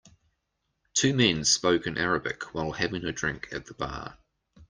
Two men spoke in Arabic while having a drink at the bar.